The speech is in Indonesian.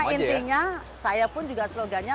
karena intinya saya pun juga slogannya